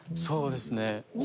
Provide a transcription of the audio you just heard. そうですね。